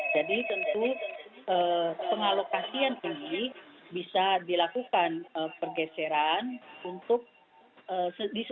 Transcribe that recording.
jadi tentu pengalokasian ini bisa dilakukan pergeseran untuk disusun